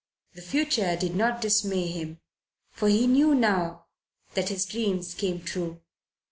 The future did not dismay him, for he knew now that his dreams came true.